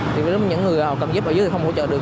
thì những người cầm giúp ở dưới thì không hỗ trợ được